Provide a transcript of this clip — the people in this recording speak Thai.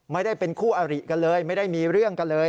ไม่ได้เป็นคู่อริกันเลยไม่ได้มีเรื่องกันเลย